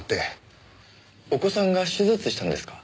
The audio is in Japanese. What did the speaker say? お子さんが手術したんですか？